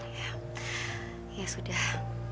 ya ya sudah